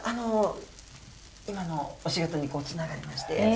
今のお仕事につながりまして。